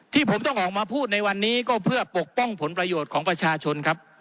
ที่ผมต้องออกมาพูดในวันนี้ก็เพื่อปกป้องผลประโยชน์ของประชาชนครับ